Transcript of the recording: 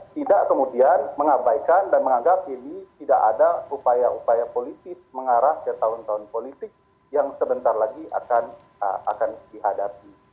tidak kemudian mengabaikan dan menganggap ini tidak ada upaya upaya politis mengarah ke tahun tahun politik yang sebentar lagi akan dihadapi